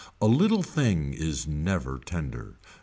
A little thing is never tender.